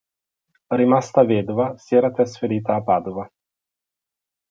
Rimasta vedova, si era trasferita a Padova.